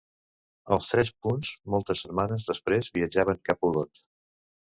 Els tres punts, moltes setmanes després, viatjaven cap a Olot.